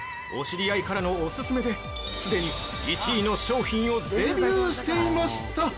お知り合いからのお勧めで既に１位の商品をデビューしていました！